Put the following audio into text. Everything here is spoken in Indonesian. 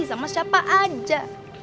sama siapa aja